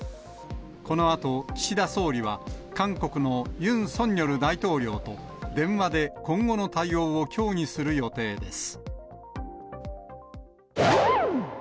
このあと岸田総理は、韓国のユン・ソンニョル大統領と、電話で今後の対応を協議する予定です。